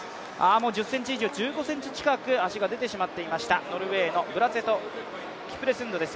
もう１０ｃｍ以上、１５ｃｍ近く足が出てしまっていましたノルウェーのキプレスンドです。